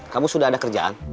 kamu sudah ada kerjaan